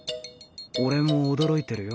俺も驚いてるよ。